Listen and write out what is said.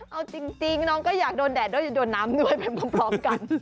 เอาจริงน้องก็อยากโดนแดดด้วยโดนน้ำด้วยไปพร้อมกัน